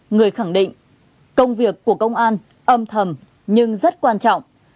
người khẳng định công việc của công an âm thầm nhưng rất quan trọng